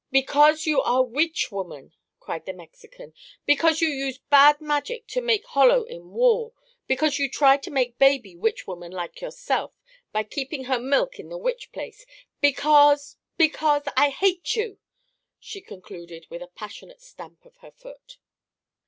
"Because you are witch woman," cried the Mexican; "because you use bad magic to make hollow in wall; because you try to make baby witch woman, like yourself, by keeping her milk in the witch place; because—because—I hate you!" she concluded with a passionate stamp of her foot.